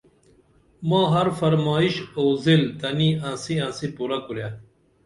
ماں ہر فرمائش اُو زیل تنی آنسی آنسی پُرہ کُرے